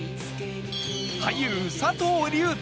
俳優佐藤隆太